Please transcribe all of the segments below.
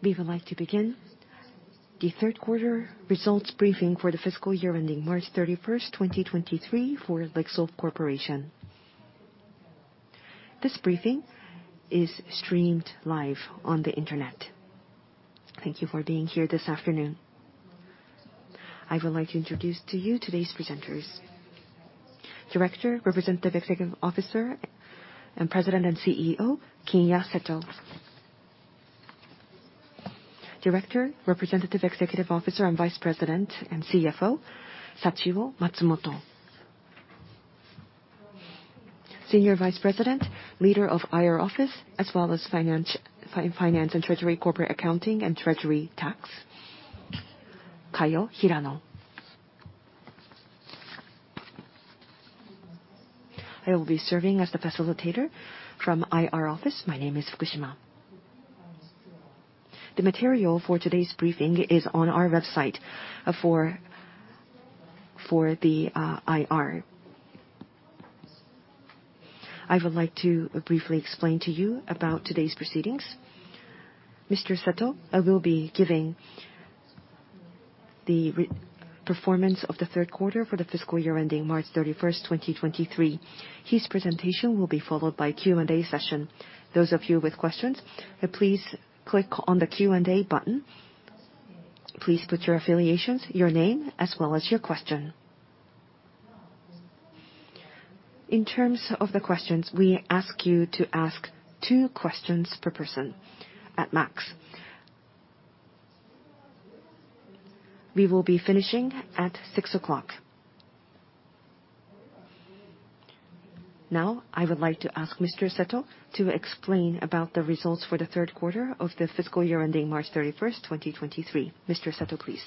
We would like to begin the third quarter results briefing for the fiscal year ending March 31st, 2023 for LIXIL Corporation. This briefing is streamed live on the Internet. Thank you for being here this afternoon. I would like to introduce to you today's presenters. Director, Representative Executive Officer and President and CEO, Kinya Seto. Director, Representative Executive Officer and Vice President and CFO, Sachio Matsumoto. Senior Vice President, Leader of IR Office, as well as Finance and Treasury, Corporate Accounting and Treasury Tax, Kayo Hirano. I will be serving as the facilitator from IR Office. My name is Fukushima. The material for today's briefing is on our website for the IR. I would like to briefly explain to you about today's proceedings. Mr. Seto will be giving the re-performance of the third quarter for the fiscal year ending March 31st, 2023. His presentation will be followed by Q&A session. Those of you with questions, please click on the Q&A button. Please put your affiliations, your name, as well as your question. In terms of the questions, we ask you to ask two questions per person at max. We will be finishing at six o'clock. Now, I would like to ask Mr. Seto to explain about the results for the third quarter of the fiscal year ending March 31st, 2023. Mr. Seto, please.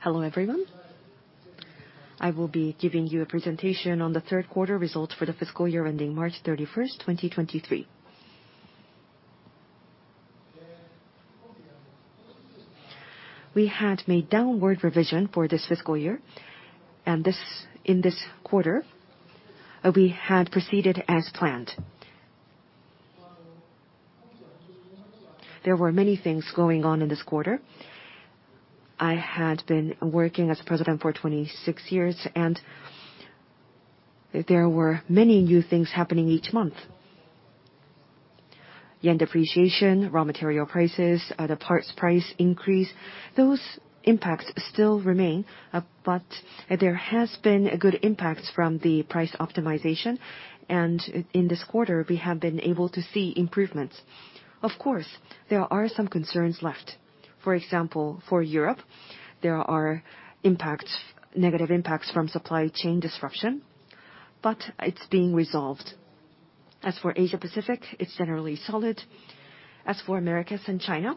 Hello, everyone. I will be giving you a presentation on the third quarter results for the fiscal year ending March 31st, 2023. We had made downward revision for this fiscal year, and this, in this quarter, we had proceeded as planned. There were many things going on in this quarter. I had been working as president for 26 years, and there were many new things happening each month. Yen depreciation, raw material prices, the parts price increase, those impacts still remain, but there has been good impacts from the price optimization. In this quarter, we have been able to see improvements. Of course, there are some concerns left. For example, for Europe, there are impacts, negative impacts from supply chain disruption, but it's being resolved. As for Asia Pacific, it's generally solid. As for Americas and China,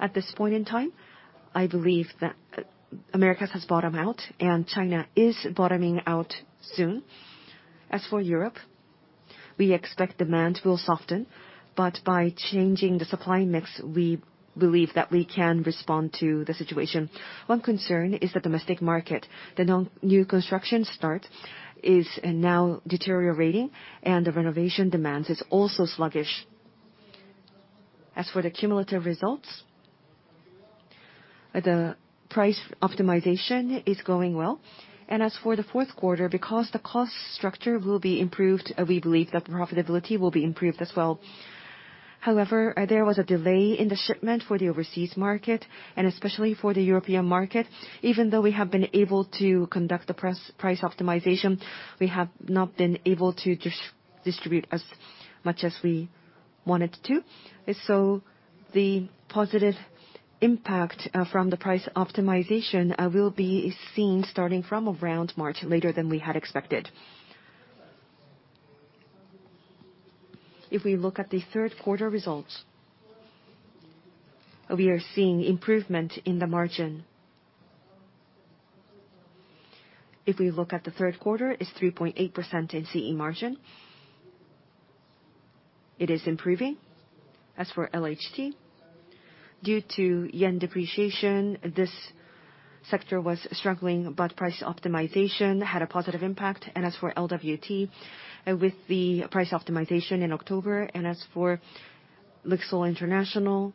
at this point in time, I believe that Americas has bottomed out and China is bottoming out soon. As for Europe, we expect demand will soften, but by changing the supply mix, we believe that we can respond to the situation. One concern is the domestic market. The new construction start is now deteriorating, the renovation demands is also sluggish. As for the cumulative results, the price optimization is going well. As for the fourth quarter, because the cost structure will be improved, we believe that the profitability will be improved as well. There was a delay in the shipment for the overseas market, and especially for the European market. Even though we have been able to conduct the price optimization, we have not been able to distribute as much as we wanted to. The positive impact from the price optimization will be seen starting from around March, later than we had expected. If we look at the third quarter results, we are seeing improvement in the margin. If we look at the third quarter, it's 3.8% in CE margin. It is improving. As for LHT, due to yen depreciation, this sector was struggling, but price optimization had a positive impact. As for LWT, with the price optimization in October, and as for LIXIL International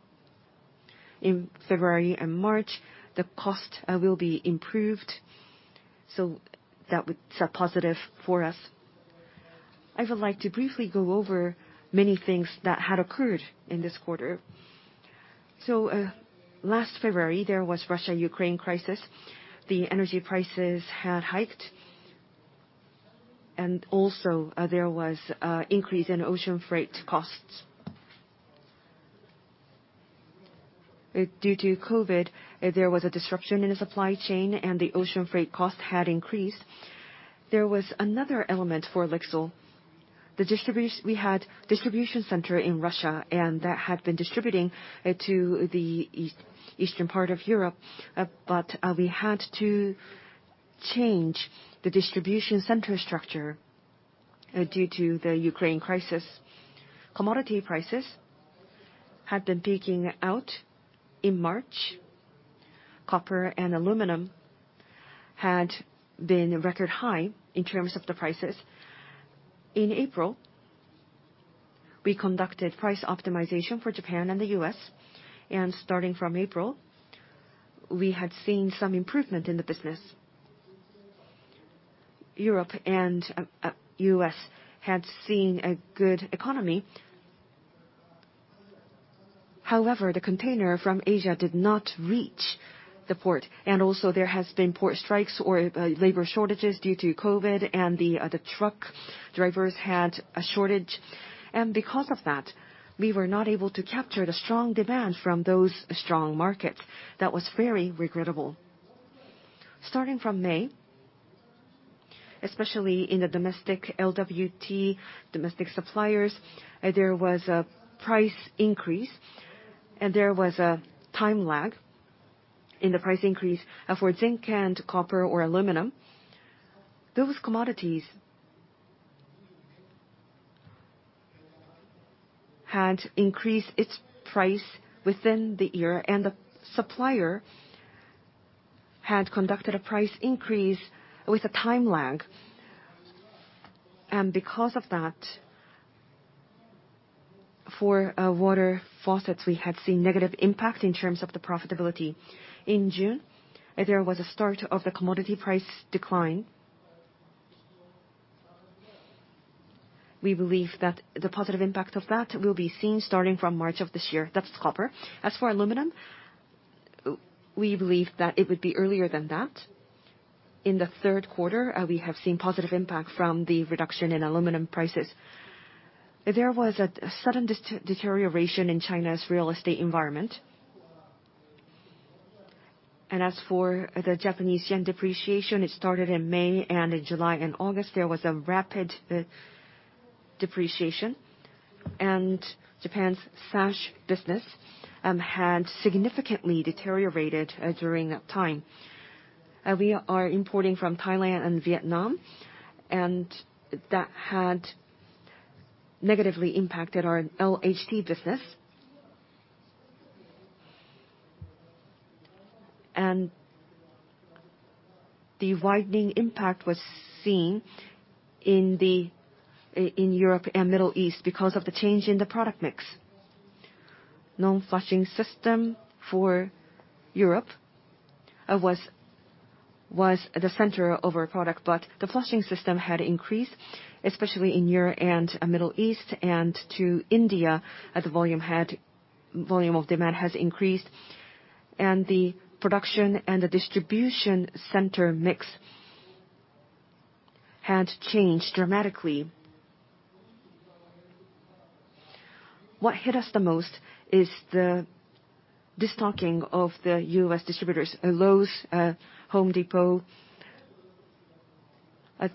in February and March, the cost will be improved. That was positive for us. I would like to briefly go over many things that had occurred in this quarter. Last February, there was Russia-Ukraine crisis. The energy prices had hiked, and also, there was increase in ocean freight costs. Due to COVID, there was a disruption in the supply chain, and the ocean freight cost had increased. There was another element for LIXIL. We had distribution center in Russia, and that had been distributing to the eastern part of Europe, but we had to change the distribution center structure. Due to the Ukraine crisis, commodity prices had been peaking out in March. Copper and aluminum had been record high in terms of the prices. In April, we conducted price optimization for Japan and the U.S., and starting from April, we had seen some improvement in the business. Europe and U.S. had seen a good economy. However, the container from Asia did not reach the port, and also there has been port strikes or labor shortages due to COVID, and the truck drivers had a shortage. Because of that, we were not able to capture the strong demand from those strong markets. That was very regrettable. Starting from May, especially in the domestic LWT, domestic suppliers, there was a price increase, and there was a time lag in the price increase for zinc and copper or aluminum. Those commodities had increased its price within the year, and the supplier had conducted a price increase with a time lag. Because of that, for water faucets, we had seen negative impact in terms of the profitability. In June, there was a start of the commodity price decline. We believe that the positive impact of that will be seen starting from March of this year. That's copper. As for aluminum, we believe that it would be earlier than that. In the third quarter, we have seen positive impact from the reduction in aluminum prices. There was a sudden deterioration in China's real estate environment. As for the Japanese yen depreciation, it started in May, in July and August, there was a rapid depreciation. Japan's sash business had significantly deteriorated during that time. We are importing from Thailand and Vietnam, and that had negatively impacted our LHT business. The widening impact was seen in Europe and Middle East because of the change in the product mix. non-flushing system for Europe was the center of our product, but the flushing system had increased, especially in Europe and Middle East, and to India, as the volume of demand has increased, the production and the distribution center mix had changed dramatically. What hit us the most is the destocking of the U.S. distributors, Lowe's, Home Depot.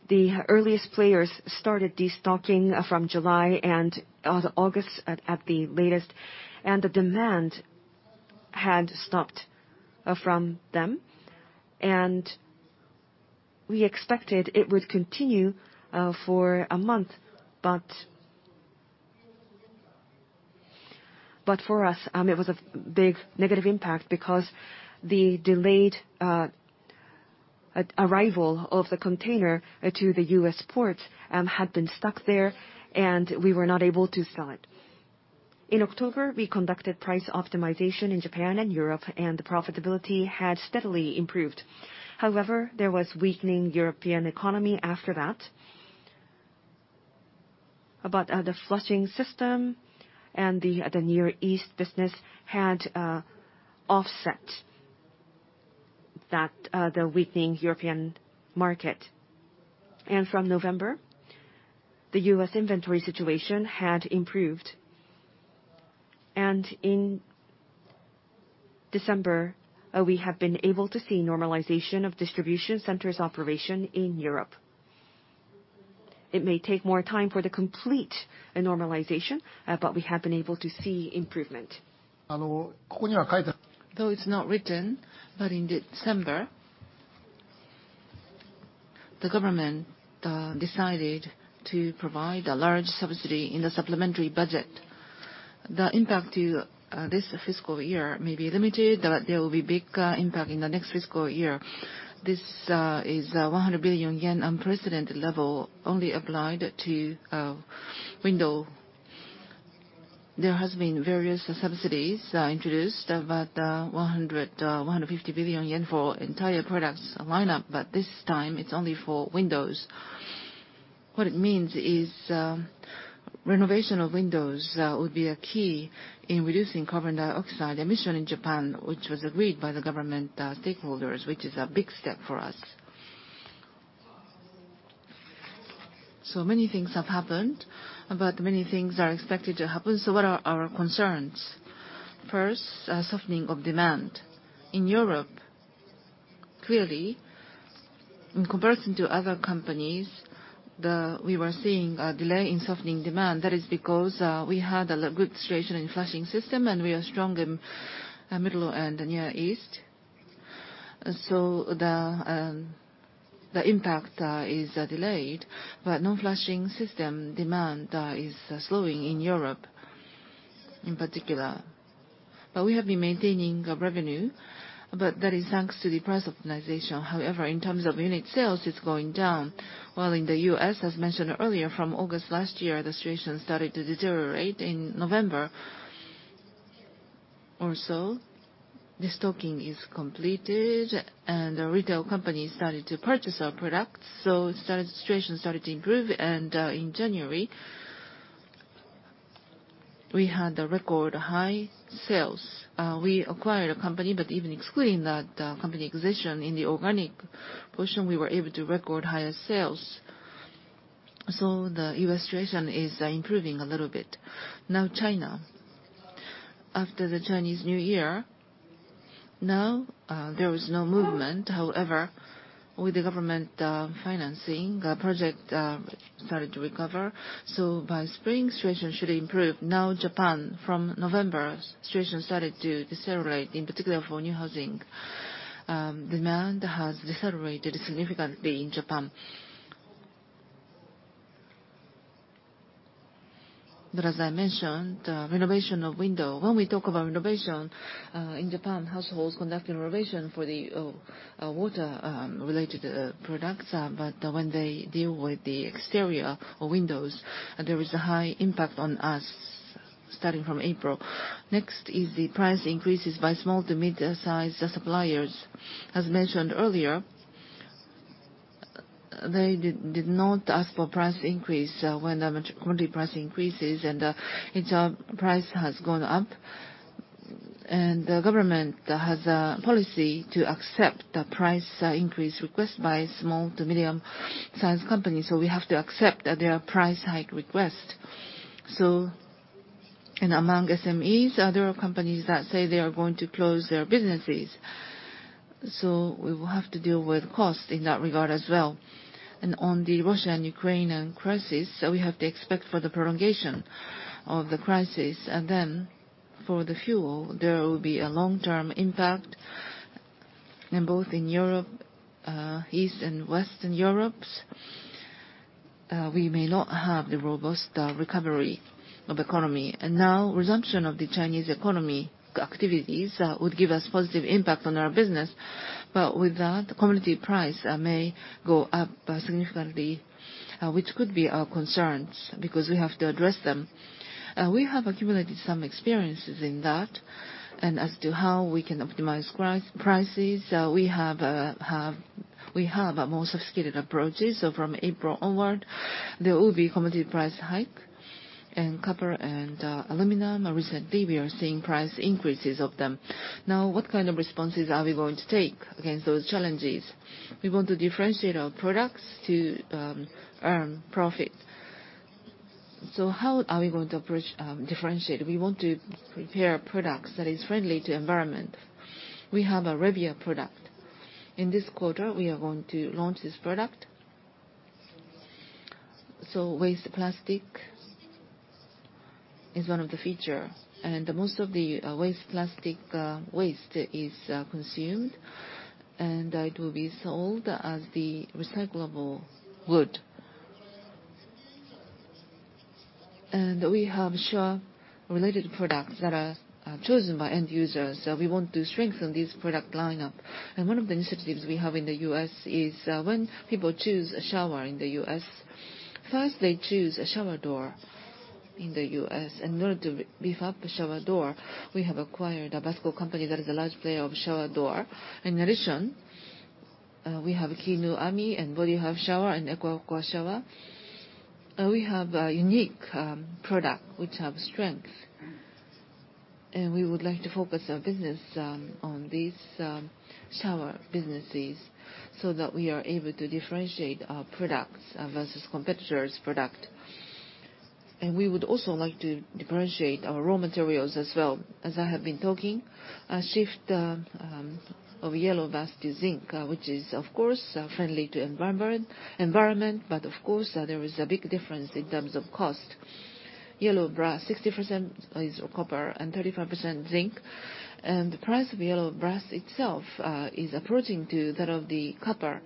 The earliest players started destocking from July and August at the latest, and the demand had stopped from them. We expected it would continue for a month, but for us, it was a big negative impact because the delayed arrival of the container to the U.S. ports had been stuck there, and we were not able to sell it. In October, we conducted price optimization in Japan and Europe, the profitability had steadily improved. However, there was weakening European economy after that. The flushing system and the Near East business had offset that the weakening European market. From November, the U.S. inventory situation had improved. In December, we have been able to see normalization of distribution centers' operation in Europe. It may take more time for the complete normalization, but we have been able to see improvement. Though it's not written, but in December, the government decided to provide a large subsidy in the supplementary budget. The impact to this fiscal year may be limited, but there will be big impact in the next fiscal year. This is a 100 billion yen unprecedented level only applied to window. There has been various subsidies introduced about 100 billion yen, 150 billion yen for entire products lineup, but this time it's only for windows. What it means is, renovation of windows would be a key in reducing carbon dioxide emission in Japan, which was agreed by the government, stakeholders, which is a big step for us. Many things have happened, but many things are expected to happen. What are our concerns? First, a softening of demand. In Europe, clearly, in comparison to other companies, we were seeing a delay in softening demand. That is because we had a good situation in flushing system, and we are strong in Middle and Near East. The impact is delayed. Non-flushing system demand is slowing in Europe in particular. We have been maintaining revenue, but that is thanks to the price optimization. In terms of unit sales, it's going down. In the U.S., as mentioned earlier, from August last year, the situation started to deteriorate. In November or so, the stocking is completed, and the retail companies started to purchase our products. The situation started to improve, and in January, we had record high sales. We acquired a company, but even excluding that company acquisition, in the organic portion, we were able to record higher sales. The U.S. situation is improving a little bit. China. After the Chinese New Year, there is no movement. However, with the government financing, the project started to recover. By spring, situation should improve. Japan. From November, situation started to decelerate, in particular for new housing. Demand has decelerated significantly in Japan. As I mentioned, the renovation of window. When we talk about renovation in Japan, households conduct renovation for the water related products. When they deal with the exterior or windows, there is a high impact on us starting from April. Next is the price increases by small to midsize suppliers. As mentioned earlier, they did not ask for price increase when the commodity price increases, and each price has gone up. The government has a policy to accept the price increase request by small to medium-sized companies. We have to accept their price hike request. Among SMEs, there are companies that say they are going to close their businesses. We will have to deal with cost in that regard as well. On the Russia and Ukrainian crisis, we have to expect for the prolongation of the crisis. For the fuel, there will be a long-term impact, and both in Europe, East and Western Europe, we may not have the robust recovery of economy. Resumption of the Chinese economy activities would give us positive impact on our business. With that, commodity price may go up significantly, which could be our concerns because we have to address them. We have accumulated some experiences in that, and as to how we can optimize prices, we have a more sophisticated approaches. From April onward, there will be commodity price hike. In copper and aluminum, recently, we are seeing price increases of them. What kind of responses are we going to take against those challenges? We want to differentiate our products to earn profit. How are we going to approach differentiate? We want to prepare products that is friendly to environment. We have a REVIA product. In this quarter, we are going to launch this product. Waste plastic is one of the feature, and most of the waste plastic waste is consumed, and it will be sold as the recyclable wood. We have shower-related products that are chosen by end users. We want to strengthen this product lineup. One of the initiatives we have in the U.S. is, when people choose a shower in the U.S., first they choose a shower door in the U.S. In order to beef up the shower door, we have acquired a Basco company that is a large player of shower door. In addition, we have KINUAMI and Body Hug Shower and Aqua Shower. We have a unique product which have strength. We would like to focus our business on these shower businesses so that we are able to differentiate our products versus competitors' product. We would also like to differentiate our raw materials as well. As I have been talking, a shift of yellow brass to zinc, which is of course friendly to environment, but of course, there is a big difference in terms of cost. Yellow brass, 60% is copper and 35% zinc. The price of yellow brass itself is approaching to that of the copper.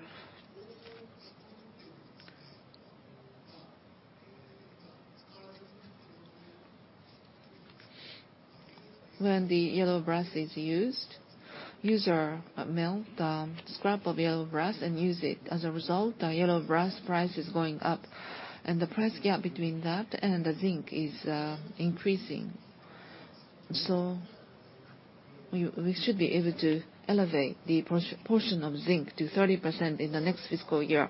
When the yellow brass is used, user melt scrap of yellow brass and use it. As a result, the yellow brass price is going up, and the price gap between that and the zinc is increasing. We should be able to elevate the portion of zinc to 30% in the next fiscal year.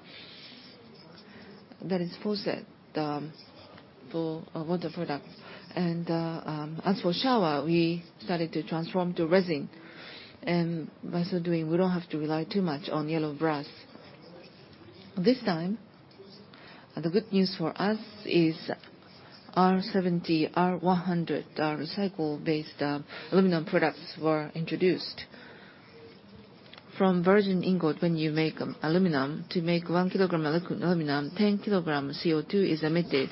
That is faucet for our water product. As for shower, we started to transform to resin. By so doing, we don't have to rely too much on yellow brass. This time, the good news for us is R70, R100, recycle-based aluminum products were introduced. From virgin ingot, when you make aluminum, to make 1 kg aluminum, 10 kg CO2 is emitted.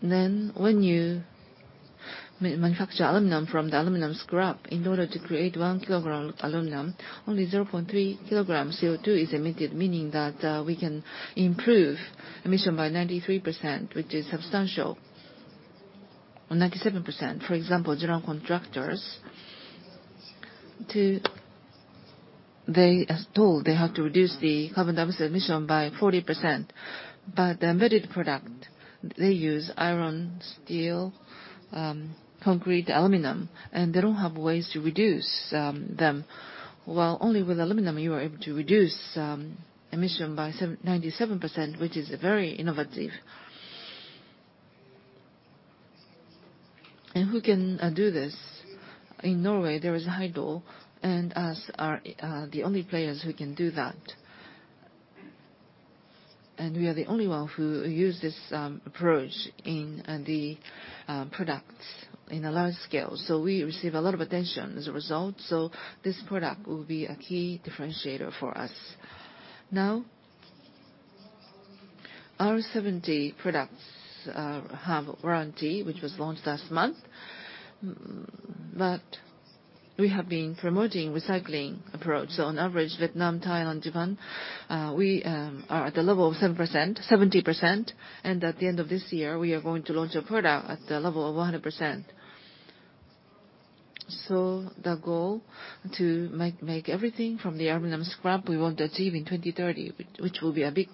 When you manufacture aluminum from the aluminum scrap, in order to create 1 kg aluminum, only 0.3 kg CO2 is emitted, meaning that we can improve emission by 93%, which is substantial. 97%. For example, general contractors have to reduce the carbon dioxide emission by 40%. The embedded product, they use iron, steel, concrete, aluminum, and they don't have ways to reduce them. While only with aluminum you are able to reduce emission by 97%, which is very innovative. Who can do this? In Norway, there is Hydro, and us are the only players who can do that. We are the only one who use this approach in the products in a large scale. We receive a lot of attention as a result, this product will be a key differentiator for us. Our 7D products have warranty, which was launched last month. We have been promoting recycling approach. On average, Vietnam, Thailand, Japan, we are at the level of 70%, and at the end of this year, we are going to launch a product at the level of 100%. The goal to make everything from the aluminum scrap we want to achieve in 2030, which will be a big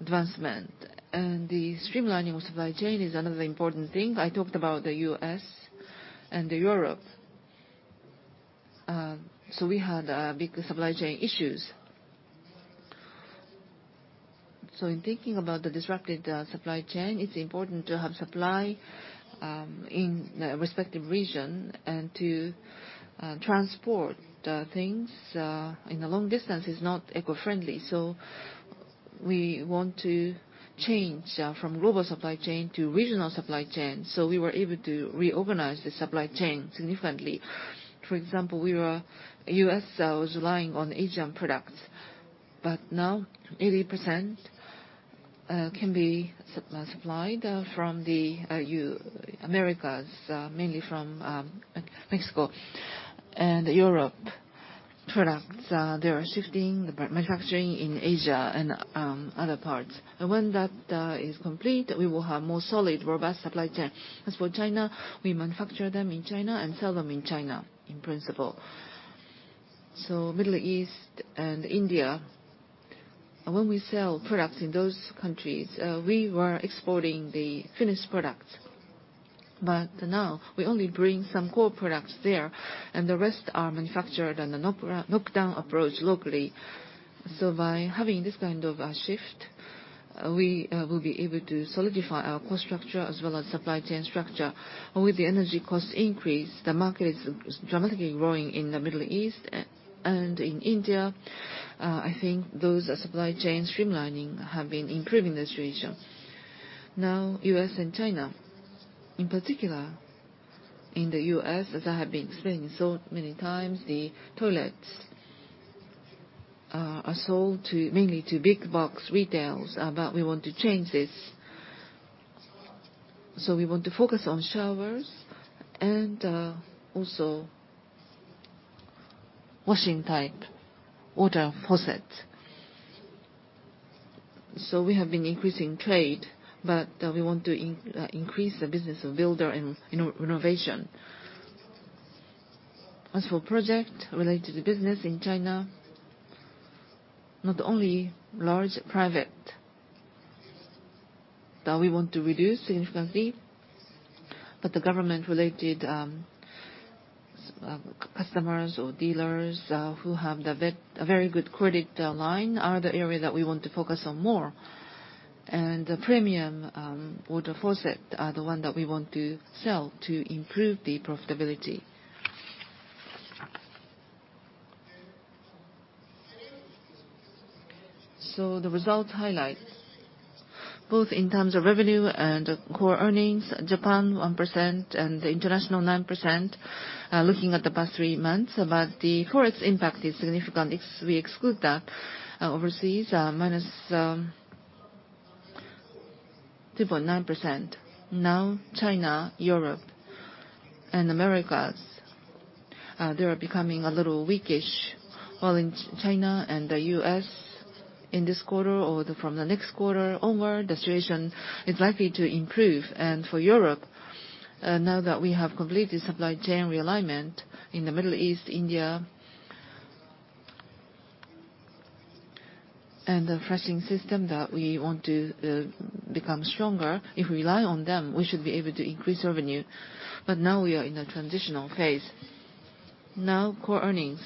advancement. The streamlining of supply chain is another important thing. I talked about the US and the Europe. We had big supply chain issues. In thinking about the disrupted supply chain, it's important to have supply in the respective region and to transport things in a long distance is not eco-friendly. We want to change from global supply chain to regional supply chain, so we were able to reorganize the supply chain significantly. For example, U.S. was relying on Asian products, but now 80%, can be supplied from the Americas, mainly from Mexico. Europe products, they are shifting the manufacturing in Asia and other parts. When that is complete, we will have more solid, robust supply chain. As for China, we manufacture them in China and sell them in China, in principle. Middle East and India, when we sell products in those countries, we were exporting the finished products. Now we only bring some core products there, and the rest are manufactured on a knockdown approach locally. By having this kind of shift, we will be able to solidify our cost structure as well as supply chain structure. With the energy cost increase, the market is dramatically growing in the Middle East and in India. I think those supply chain streamlining have been improving the situation. U.S. and China. In particular, in the U.S., as I have been explaining so many times, the toilets are sold to, mainly to big box retails, we want to change this. We want to focus on showers and also washing type water faucets. We have been increasing trade, but we want to increase the business of builder and renovation. As for project related business in China, not only large private that we want to reduce significantly, but the government-related customers or dealers who have the very good credit line are the area that we want to focus on more. The premium water faucet are the one that we want to sell to improve the profitability. The results highlight, both in terms of revenue and core earnings, Japan 1% and the international 9%, looking at the past three months. The Forex impact is significant if we exclude that, overseas -2.9%. China, Europe, and Americas, they are becoming a little weak-ish. While in China and the U.S. in this quarter or from the next quarter onward, the situation is likely to improve. For Europe, now that we have completed supply chain realignment in the Middle East, India, and the freshening system that we want to become stronger, if we rely on them, we should be able to increase revenue. Now we are in a transitional phase. Core earnings.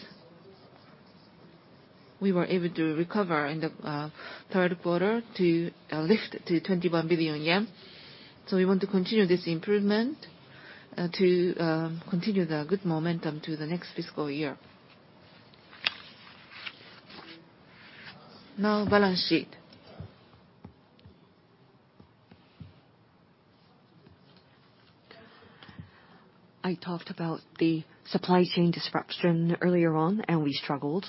We were able to recover in the third quarter to lift to 21 billion yen. We want to continue this improvement to continue the good momentum to the next fiscal year. Balance sheet. I talked about the supply chain disruption earlier on, and we struggled.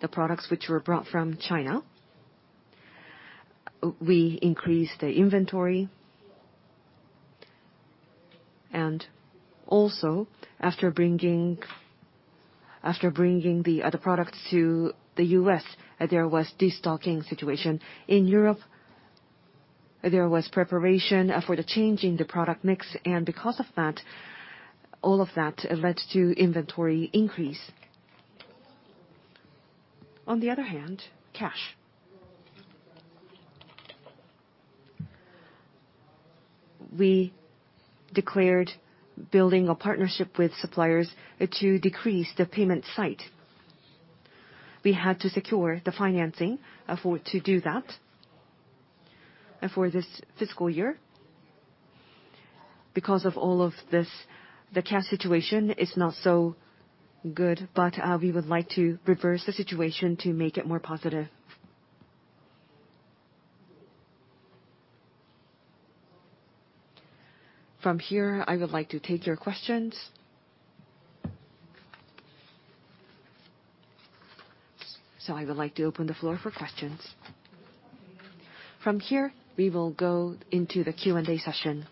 The products which were brought from China, we increased the inventory. Also, after bringing the other products to the U.S., there was destocking situation. In Europe, there was preparation for the change in the product mix. Because of that, all of that led to inventory increase. On the other hand, cash. We declared building a partnership with suppliers to decrease the payment site. We had to secure the financing for to do that for this fiscal year. Because of all of this, the cash situation is not so good. We would like to reverse the situation to make it more positive. From here, I would like to take your questions. I would like to open the floor for questions. From here, we will go into the Q&A session.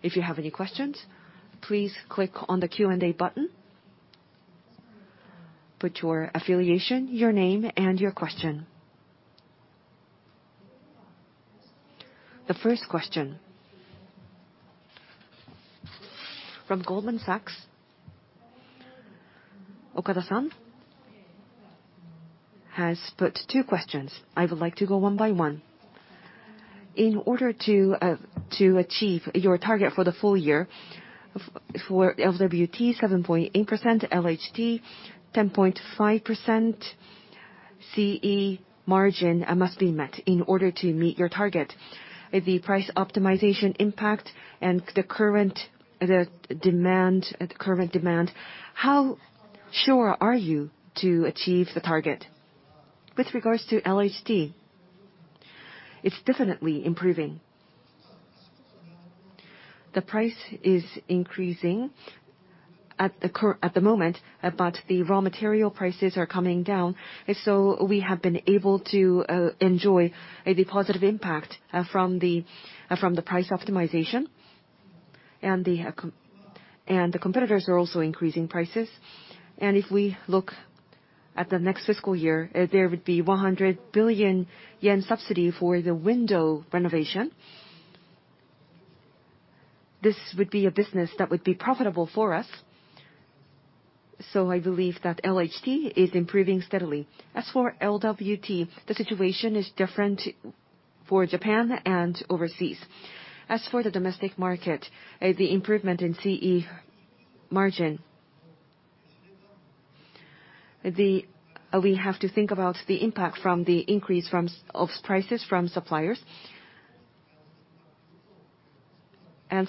If you have any questions, please click on the Q&A button. Put your affiliation, your name, and your question. The first question. From Goldman Sachs, Okada-san has put two questions. I would like to go one by one. In order to achieve your target for the full year for LWT 7.8%, LHT 10.5% CE margin must be met in order to meet your target. The price optimization impact and the current demand, how sure are you to achieve the target? With regards to LHT, it's definitely improving. The price is increasing at the moment, but the raw material prices are coming down. We have been able to enjoy the positive impact from the price optimization. The competitors are also increasing prices. If we look at the next fiscal year, there would be 100 billion yen subsidy for the window renovation. This would be a business that would be profitable for us. I believe that LHT is improving steadily. As for LWT, the situation is different for Japan and overseas. As for the domestic market, the improvement in CE margin, we have to think about the impact from the increase of prices from suppliers.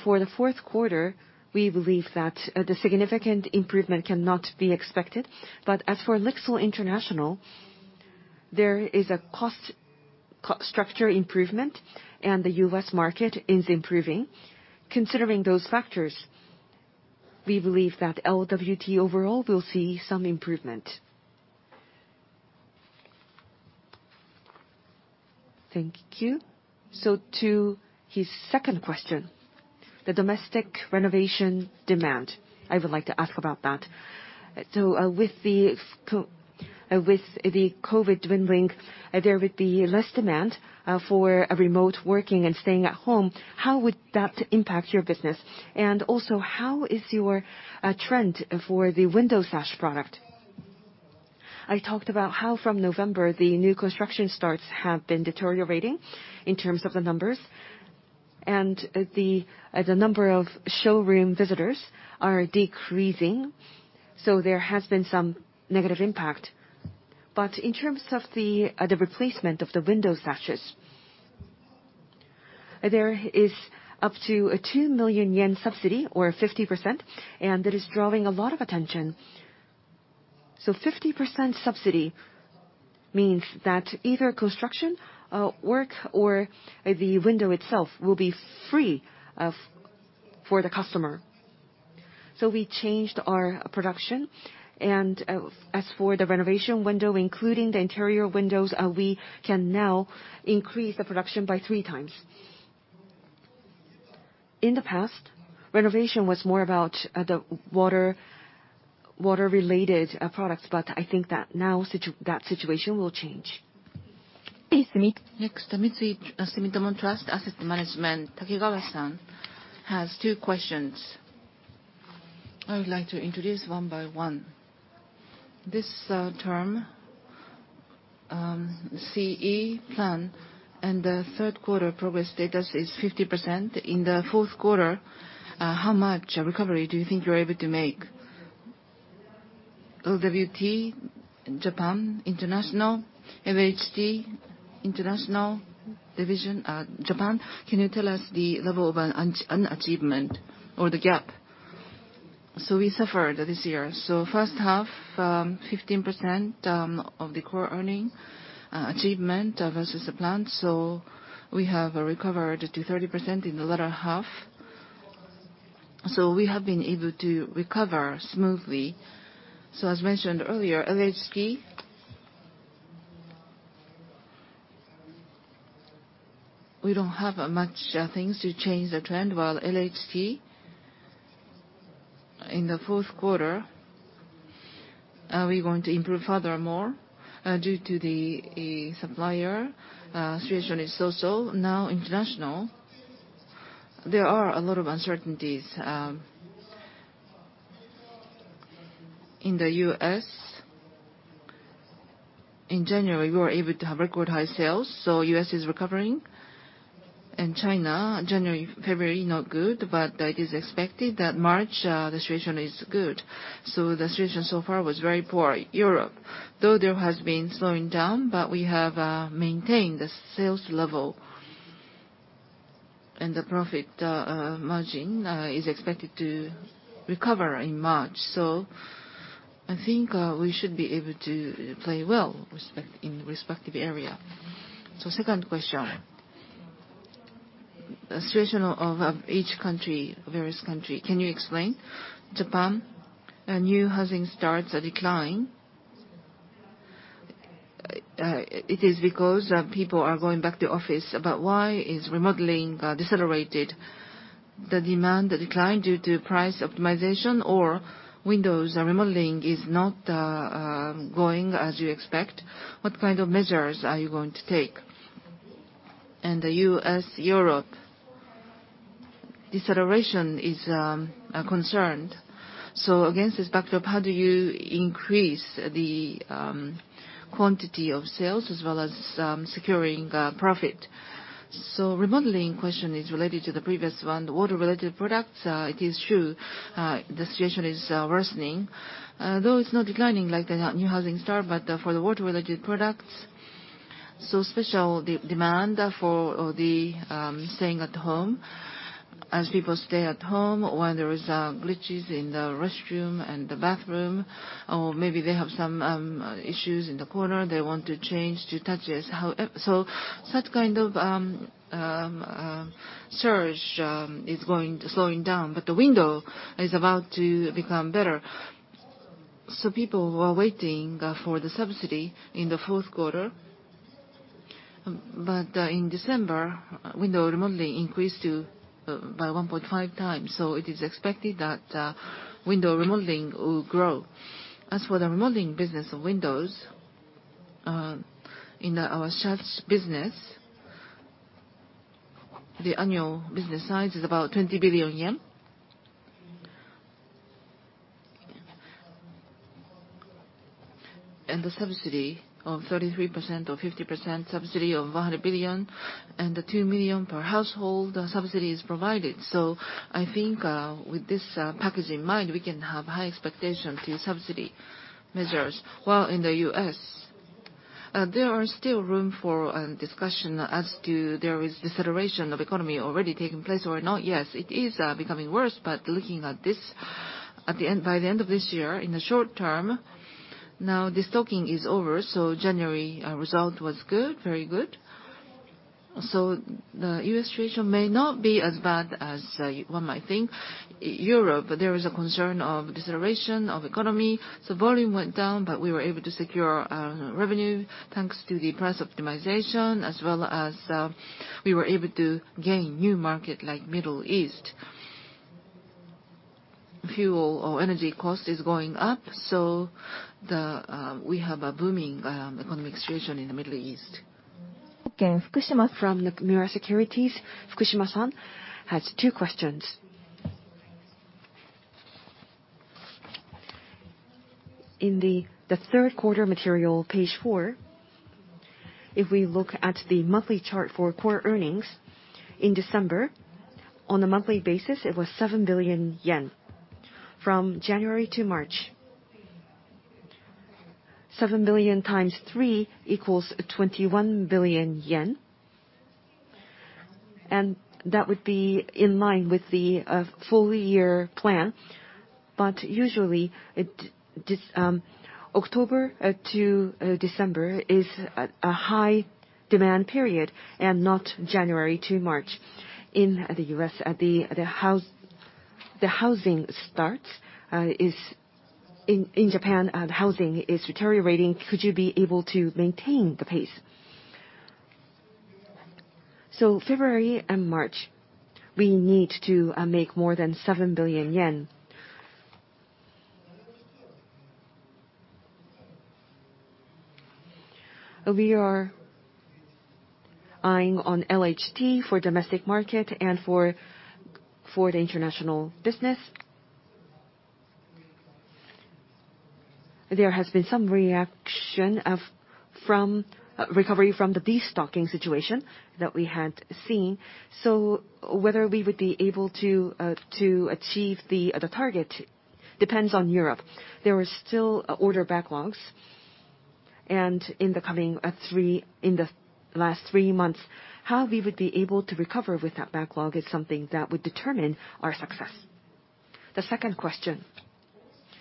For the fourth quarter, we believe that the significant improvement cannot be expected. As for LIXIL International, there is a cost structure improvement, and the U.S. market is improving. Considering those factors, we believe that LWT overall will see some improvement. Thank you. To his second question, the domestic renovation demand, I would like to ask about that. With the COVID dwindling, there would be less demand for a remote working and staying at home. How would that impact your business? Also, how is your trend for the window sash product? I talked about how from November the new construction starts have been deteriorating in terms of the numbers. The number of showroom visitors are decreasing, so there has been some negative impact. In terms of the replacement of the window sashes, there is up to a 2 million yen subsidy, or 50%, and it is drawing a lot of attention. 50% subsidy means that either construction work or the window itself will be free for the customer. We changed our production. As for the renovation window, including the interior windows, we can now increase the production by three times. In the past, renovation was more about the water related products. I think that now that situation will change. Next, Sumitomo Mitsui Trust Asset Management, Takegawa-san has two questions. I would like to introduce one by one. This term, CE plan and the third quarter progress status is 50%. In the fourth quarter, how much recovery do you think you're able to make? LWT Japan International, LHT International division, Japan. Can you tell us the level of unachievement or the gap? We suffered this year. First half, 15% of the core earnings achievement versus the plan. We have recovered to 30% in the latter half. We have been able to recover smoothly. As mentioned earlier, LHT, we don't have much things to change the trend, while LHT in the fourth quarter, we're going to improve furthermore due to the supplier situation is so-so. International, there are a lot of uncertainties. In the U.S., in January, we were able to have record high sales, so U.S. is recovering. In China, January, February, not good, but it is expected that March, the situation is good. The situation so far was very poor. Europe, though there has been slowing down, but we have maintained the sales level and the profit margin is expected to recover in March. I think we should be able to play well in respective area. Second question. The situation of each country, various country, can you explain? Japan, a new housing starts a decline. It is because people are going back to office, but why is remodeling decelerated? The demand declined due to price optimization or windows or remodeling is not going as you expect. What kind of measures are you going to take? The US, Europe, deceleration is a concern. Against this backdrop, how do you increase the quantity of sales as well as securing profit? Remodeling question is related to the previous one, the water-related products. It is true, the situation is worsening. Though it's not declining like the new housing start, but for the water-related products, so special de-demand for the staying at home. As people stay at home, when there is glitches in the restroom and the bathroom, or maybe they have some issues in the corner they want to change to touchless. Such kind of surge is slowing down, but the window is about to become better. People were waiting for the subsidy in the fourth quarter. In December, window remodeling increased to by 1.5x. It is expected that window remodeling will grow. As for the remodeling business of windows, in our such business, the annual business size is about 20 billion yen. The subsidy of 33% or 50% subsidy of 100 billion and the 2 million per household subsidy is provided. I think with this package in mind, we can have high expectation to subsidy measures. While in the U.S., there are still room for discussion as to there is deceleration of economy already taking place or not yet. It is becoming worse, but looking at this by the end of this year in the short term, now destocking is over, January result was good, very good. The U.S. situation may not be as bad as one might think. Europe, there is a concern of deceleration of economy. Volume went down, but we were able to secure revenue thanks to the price optimization as well as we were able to gain new market like Middle East. Fuel or energy cost is going up, we have a booming economic situation in the Middle East. Okay. Fukushima from Mirae Asset Securities. Fukushima-san has two questions. In the third quarter material, page four, if we look at the monthly chart for core earnings, in December, on a monthly basis, it was 7 billion yen. From January to March, 7 billion times 3 equals 21 billion yen. That would be in line with the full year plan. Usually it October to December is a high demand period and not January to March. In the U.S., the housing starts is in Japan, the housing is deteriorating. Could you be able to maintain the pace? February and March, we need to make more than 7 billion yen. We are eyeing on LHT for domestic market and for the international business. There has been some reaction from recovery from the destocking situation that we had seen. Whether we would be able to achieve the target depends on Europe. There is still order backlogs. In the last three months, how we would be able to recover with that backlog is something that would determine our success. The second question,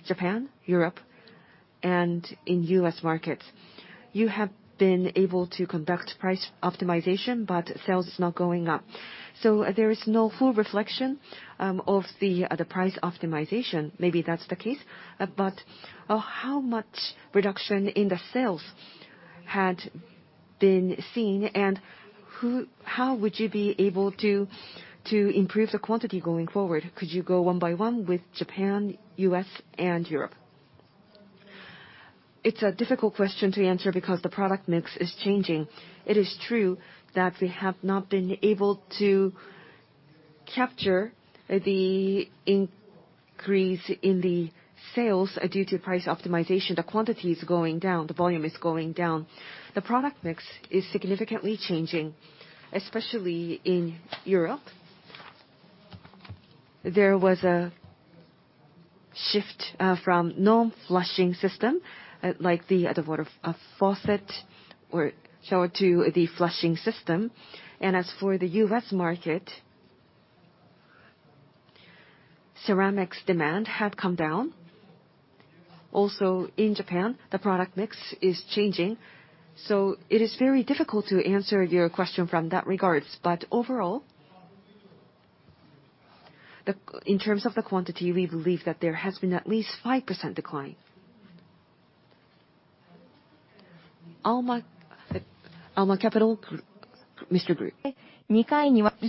Japan, Europe, and in U.S. markets, you have been able to conduct price optimization, but sales is not going up. There is no full reflection of the price optimization. Maybe that's the case. How much reduction in the sales had been seen? How would you be able to improve the quantity going forward? Could you go one by one with Japan, U.S., and Europe? It's a difficult question to answer because the product mix is changing. It is true that we have not been able to capture the increase in the sales due to price optimization. The quantity is going down, the volume is going down. The product mix is significantly changing, especially in Europe. There was a shift from non-flushing system, like the faucet or shower to the flushing system. As for the U.S. market, ceramics demand had come down. Also in Japan, the product mix is changing. It is very difficult to answer your question from that regards. Overall, in terms of the quantity, we believe that there has been at least 5% decline. Alma Capital, Mr. Gru. Henri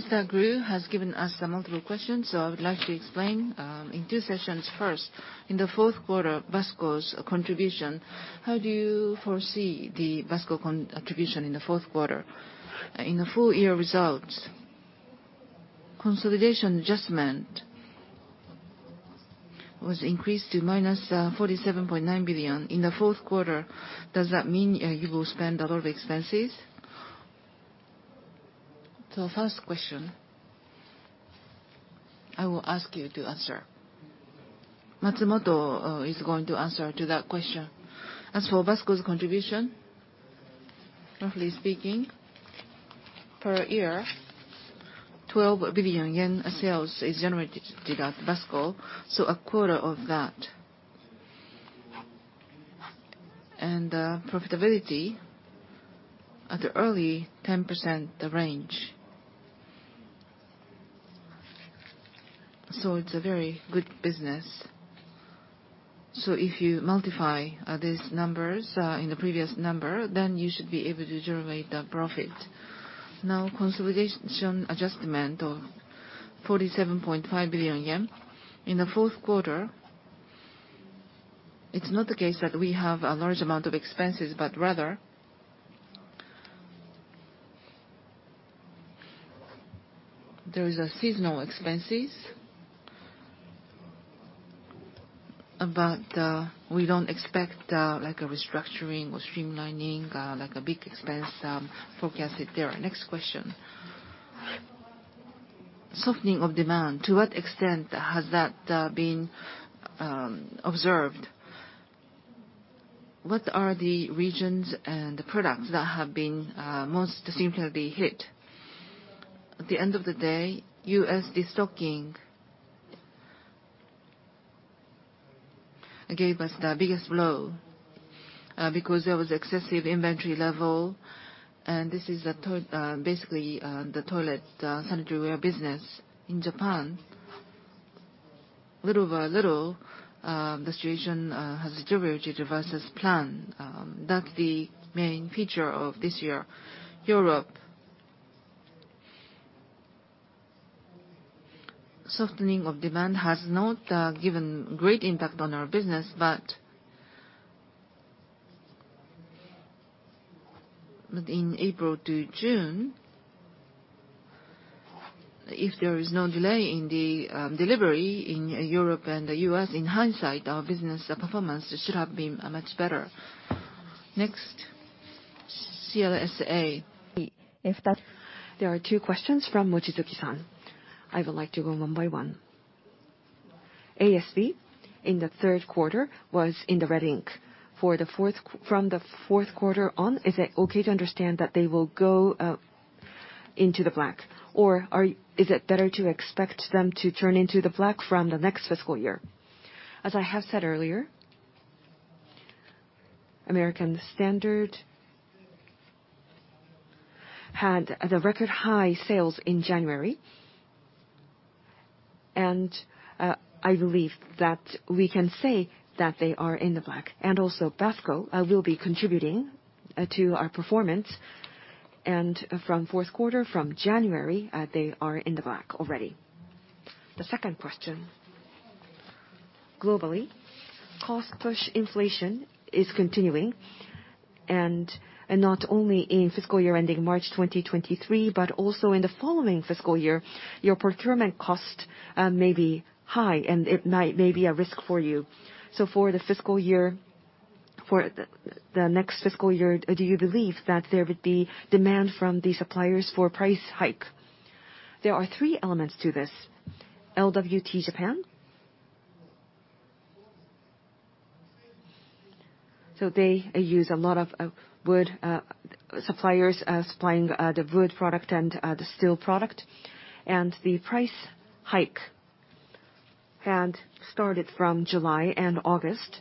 Vernhes has given us multiple questions, I would like to explain in two sessions. First, in the fourth quarter, Basco's contribution, how do you foresee the Basco contribution in the fourth quarter? In the full year results, consolidation adjustment was increased to minus 47.9 billion. In the fourth quarter, does that mean you will spend a lot of expenses? First question, I will ask you to answer. Matsumoto, is going to answer to that question. As for Basco's contribution, roughly speaking, per year, 12 billion yen sales is generated at Basco, so a quarter of that. Profitability at the early 10% range. It's a very good business. If you multiply these numbers in the previous number, then you should be able to generate the profit. Now, consolidation adjustment of 47.5 billion yen. In the fourth quarter, it's not the case that we have a large amount of expenses, but rather there is a seasonal expenses. We don't expect like a restructuring or streamlining like a big expense forecasted there. Next question. Softening of demand, to what extent has that been observed? What are the regions and the products that have been most significantly hit? At the end of the day, U.S. destocking gave us the biggest blow, because there was excessive inventory level, and this is basically the toilet sanitary ware business in Japan. Little by little, the situation has deteriorated versus plan. That's the main feature of this year. Europe. Softening of demand has not given great impact on our business. In April to June, if there is no delay in the delivery in Europe and the U.S., in hindsight, our business performance should have been much better. Next, CLSA. There are two questions from Mochizuki-san. I would like to go one by one. ASB in the third quarter was in the red ink. From the fourth quarter on, is it okay to understand that they will go into the black? Is it better to expect them to turn into the black from the next fiscal year? As I have said earlier, American Standard had the record high sales in January, and I believe that we can say that they are in the black. Also Basco will be contributing to our performance. From fourth quarter, from January, they are in the black already. The second question. Globally, cost-push inflation is continuing. Not only in fiscal year ending March 2023, but also in the following fiscal year, your procurement cost may be high, and it may be a risk for you. For the fiscal year, for the next fiscal year, do you believe that there would be demand from the suppliers for price hike? There are three elements to this. LWT Japan. They use a lot of wood. Suppliers are supplying the wood product and the steel product. The price hike had started from July and August.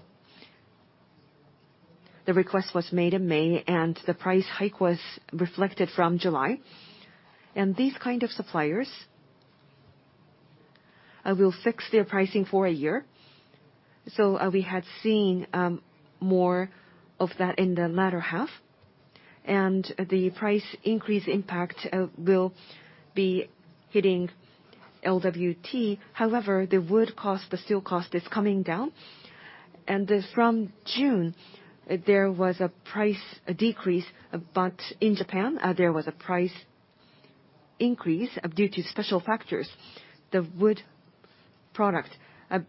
The request was made in May, and the price hike was reflected from July. These kind of suppliers will fix their pricing for a year. We had seen more of that in the latter half. The price increase impact will be hitting LWT. The wood cost, the steel cost is coming down. From June, there was a price decrease, but in Japan, there was a price increase due to special factors. The wood product,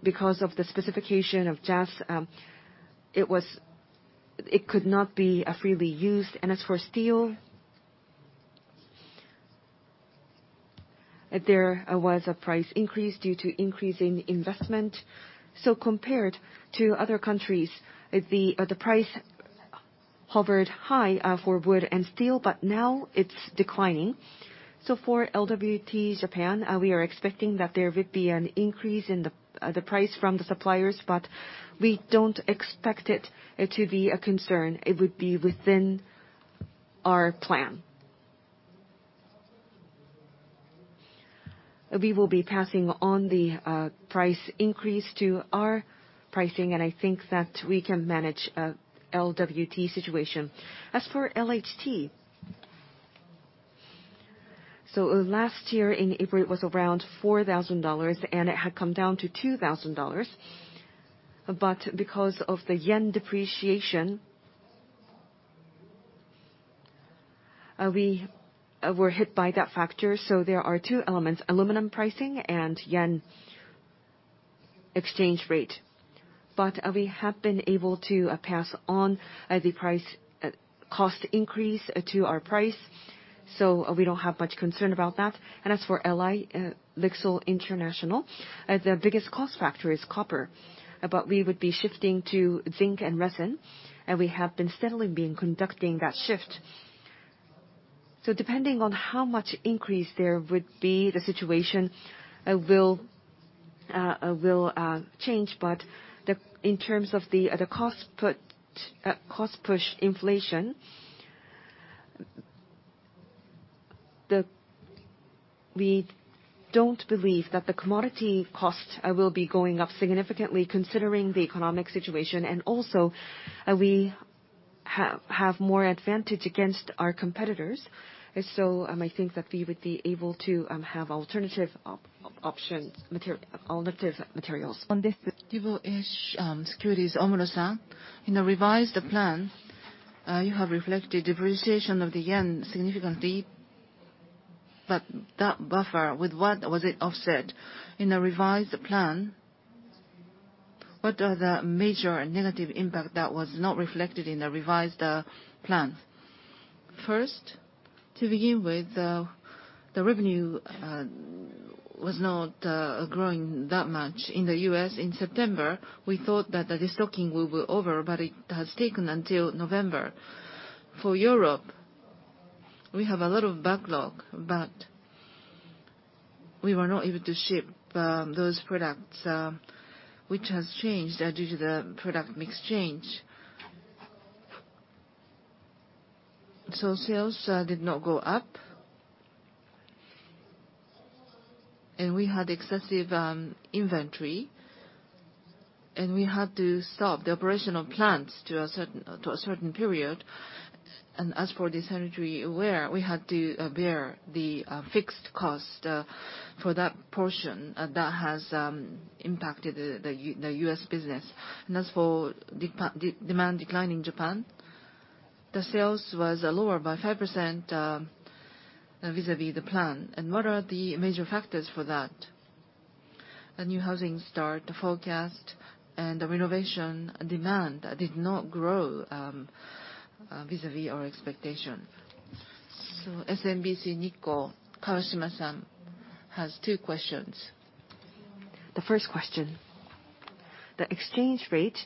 because of the specification of JAS, it could not be freely used. As for steel, there was a price increase due to increase in investment. Compared to other countries, the price hovered high for wood and steel, but now it's declining. For LWT Japan, we are expecting that there would be an increase in the price from the suppliers, but we don't expect it to be a concern. It would be within our plan. We will be passing on the price increase to our pricing, and I think that we can manage LWT situation. For LHT, last year in April, it was around $4,000, and it had come down to $2,000. Because of the yen depreciation, we were hit by that factor. There are two elements, aluminum pricing and yen exchange rate. We have been able to pass on the price cost increase to our price. We don't have much concern about that. As for LI, LIXIL International, the biggest cost factor is copper. We would be shifting to zinc and resin, and we have been steadily been conducting that shift. Depending on how much increase there would be, the situation will change. In terms of the cost push inflation, we don't believe that the commodity cost will be going up significantly considering the economic situation. We have more advantage against our competitors. I think that we would be able to have alternative options alternative materials. Securities, Omura-san. In the revised plan, you have reflected depreciation of the yen significantly. That buffer, with what was it offset? In the revised plan, what are the major negative impact that was not reflected in the revised plan? First, to begin with, the revenue was not growing that much. In the U.S. in September, we thought that the destocking will be over, but it has taken until November. For Europe, we have a lot of backlog, but we were not able to ship those products, which has changed due to the product mix change. Sales did not go up. We had excessive inventory, and we had to stop the operational plans to a certain period. As for the inventory, where we had to bear the fixed cost for that portion, that has impacted the U.S. business. As for demand decline in Japan, the sales was lower by 5% vis-a-vis the plan. What are the major factors for that? A new housing start, the forecast, and the renovation demand did not grow, vis-a-vis our expectation. SMBC Nikko, Kawashima-san has two questions. The first question. The exchange rate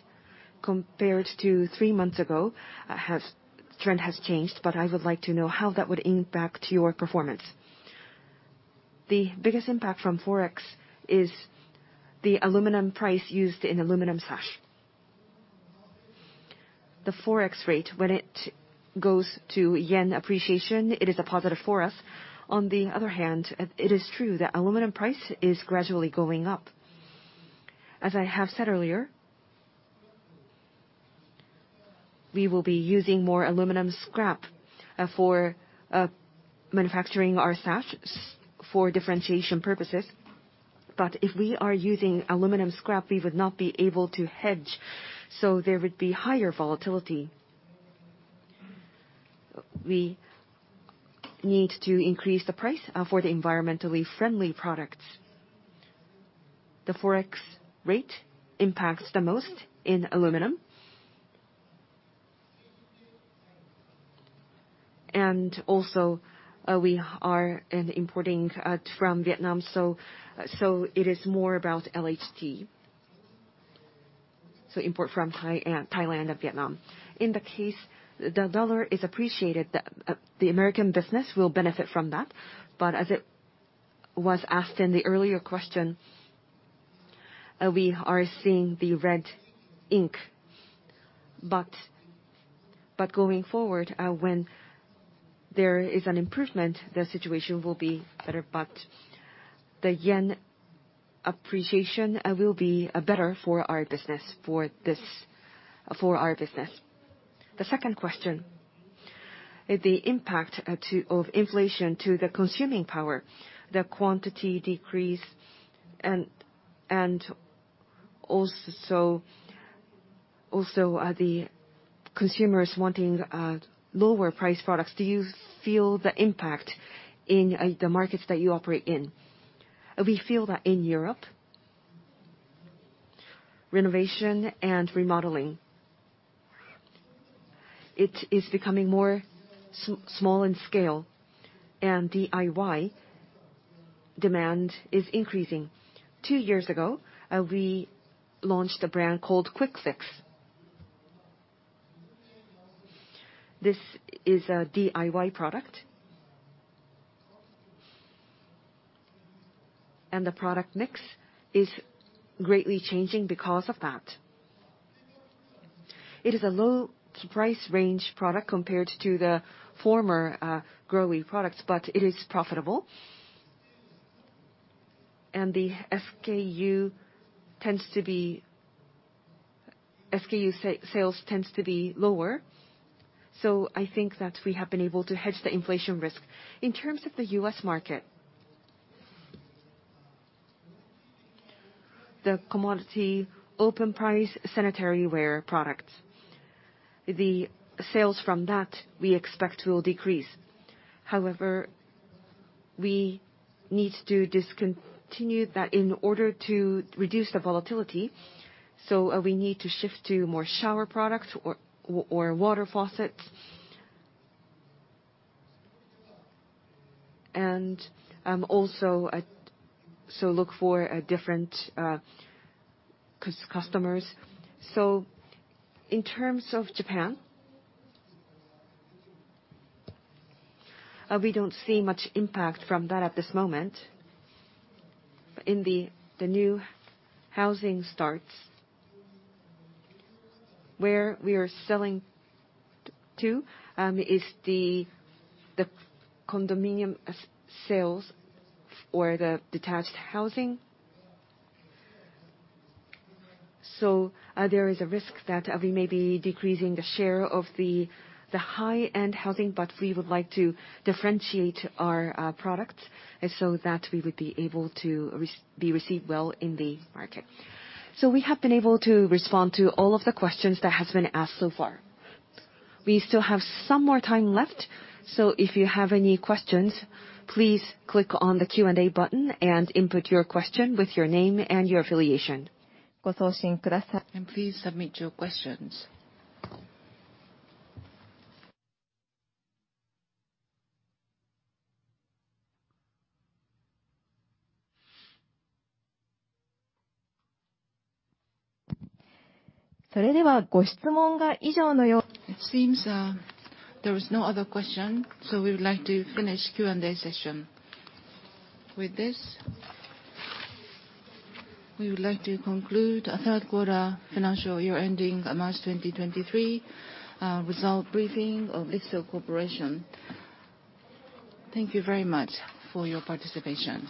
compared to three months ago trend has changed, but I would like to know how that would impact your performance. The biggest impact from forex is the aluminum price used in aluminum sash. The forex rate, when it goes to yen appreciation, it is a positive for us. It is true that aluminum price is gradually going up. As I have said earlier, we will be using more aluminum scrap for manufacturing our sash for differentiation purposes. If we are using aluminum scrap, we would not be able to hedge, so there would be higher volatility. We need to increase the price for the environmentally friendly products. The forex rate impacts the most in aluminum. We are importing from Vietnam, so it is more about LHT. Import from Thailand and Vietnam. In the case the dollar is appreciated, the American business will benefit from that. As it was asked in the earlier question, we are seeing the red ink. Going forward, when there is an improvement, the situation will be better, but the yen appreciation will be better for our business for our business. The second question, the impact of inflation to the consuming power, the quantity decrease, and the consumers wanting lower price products. Do you feel the impact in the markets that you operate in? We feel that in Europe, renovation and remodeling, it is becoming more small in scale, and DIY demand is increasing. Two years ago, we launched a brand called GROHE QuickFix. This is a DIY product. The product mix is greatly changing because of that. It is a low price range product compared to the former, GROHE products, but it is profitable. The SKU sales tends to be lower. I think that we have been able to hedge the inflation risk. In terms of the U.S. market, the commodity open price sanitary ware products, the sales from that we expect will decrease. However, we need to discontinue that in order to reduce the volatility, we need to shift to more shower products or water faucets. Also, look for different customers. In terms of Japan, we don't see much impact from that at this moment. In the new housing starts, where we are selling to, is the condominium sales or the detached housing. There is a risk that we may be decreasing the share of the high-end housing, but we would like to differentiate our products so that we would be able to be received well in the market. We have been able to respond to all of the questions that has been asked so far. We still have some more time left. If you have any questions, please click on the Q&A button and input your question with your name and your affiliation. Please submit your questions. It seems, there is no other question, so we would like to finish Q&A session. With this, we would like to conclude our third quarter financial year ending March 2023 result briefing of LIXIL Corporation. Thank you very much for your participation.